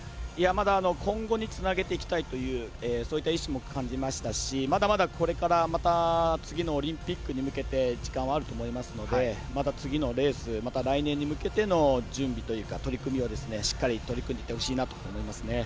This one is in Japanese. まだ今後につなげていきたいというそういった意思も感じましたしまだまだ、これからまた次のオリンピックに向けて時間はあると思いますので次のレースまた来年に向けての準備というか取り組みを、しっかり取り組んでいってほしいなと思いますね。